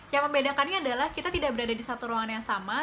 yang membedakannya adalah kita tidak berada di satu ruangan yang sama